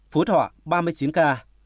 phú thọ ba mươi chín ca